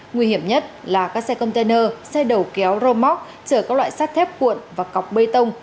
nguy hiểm nhất là các xe container xe đầu kéo rơ móc chở các loại sắt thép cuộn và cọc bê tông